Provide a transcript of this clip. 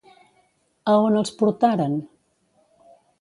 A on els portaren?